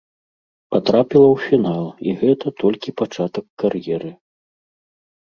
Патрапіла ў фінал, і гэта толькі пачатак кар'еры.